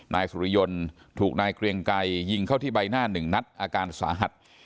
นายสุริยนต์ถูกนายเกรียงไกรยิงเข้าที่ใบหน้าหนึ่งนัดอาการสาหัส